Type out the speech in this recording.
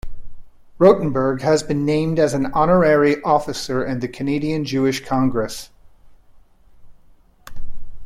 Rotenberg has been named as an honorary officer in the Canadian Jewish Congress.